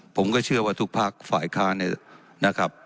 ผมก็เชื่อว่าทุกภาคฝ่ายค้าเนี่ยนะครับ